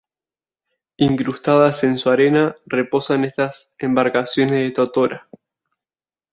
Incrustadas en su arena reposan estas embarcaciones de totora.